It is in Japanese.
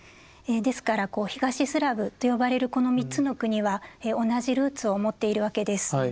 ですから東スラブと呼ばれるこの３つの国は同じルーツを持っているわけです。